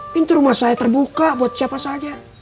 pintu rumah saya terbuka buat siapa saja